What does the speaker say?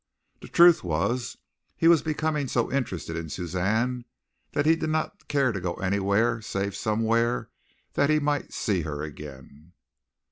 The truth was he was becoming so interested in Suzanne that he did not care to go anywhere save somewhere that he might see her again.